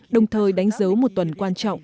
đồng thời đánh dấu một tuần quan trọng